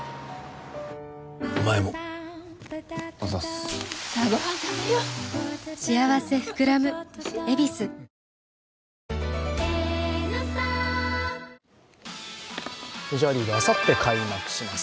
お前もあざすメジャーリーグ、あさって開幕します。